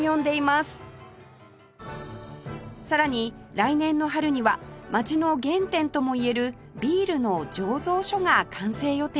さらに来年の春には街の原点とも言えるビールの醸造所が完成予定です